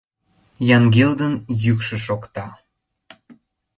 Янгелдын йӱкшӧ шокта.